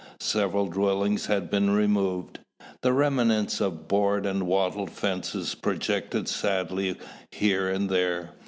Several dwellings had been removed. The remnants of board and wattled fences projected sadly here and there.